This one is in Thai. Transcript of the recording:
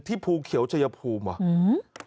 ที่ภูเขียวเจยภูมิ